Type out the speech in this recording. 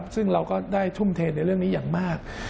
ซึ่งเราก็ได้ทุ่มเทในเรื่องนี้อย่างมาก